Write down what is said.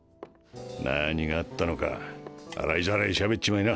何があったのか洗いざらい喋っちまいな。